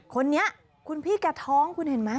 คนนี้คุณพี่แกท้องคุณเห็นไหม